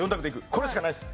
これしかないです。